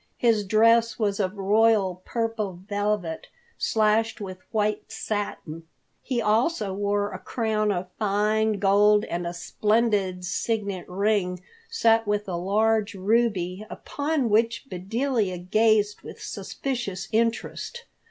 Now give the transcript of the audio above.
His dress was of royal purple velvet, slashed with white satin. He, also, wore a crown of fine gold and a splendid signet ring set with a large ruby, upon which Bedelia gazed with suspicious interest.